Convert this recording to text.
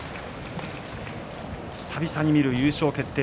久々に見る優勝決定